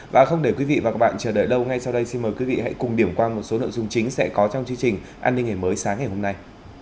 và không để quý vị và các bạn chờ đợi đâu ngay sau đây xin mời quý vị hãy cùng điểm qua một số nội dung chính sẽ có trong chương trình an ninh ngày mới sáng ngày hôm nay